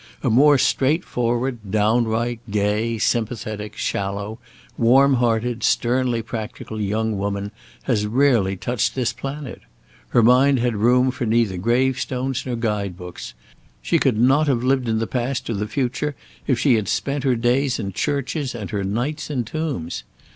A more straightforward, downright, gay, sympathetic, shallow, warm hearted, sternly practical young woman has rarely touched this planet. Her mind had room for neither grave stones nor guide books; she could not have lived in the past or the future if she had spent her days in churches and her nights in tombs.